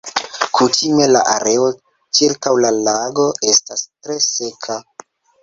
Kutime la areo ĉirkaŭ la lago estas tre seka.